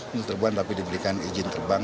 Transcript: ini terbang tapi diberikan izin terbang